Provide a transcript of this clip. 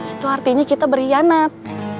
itu artinya kita berhianat